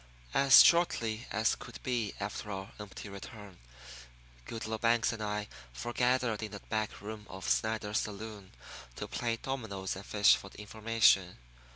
As shortly as could be after our empty return Goodloe Banks and I forgathered in the back room of Snyder's saloon to play dominoes and fish for information.